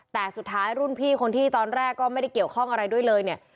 แต่สุดท้ายรุ่นพี่คนที่ตอนแรกก็ไม่ได้เกี่ยวข้องอะไรด้วยเลยเนี่ย